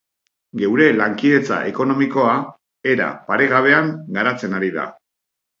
Geure lankidetza ekonomikoa era paregabean garatzen ari da.